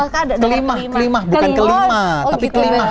kelimah bukan kelimah